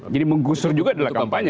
jadi menggusur juga adalah kampanye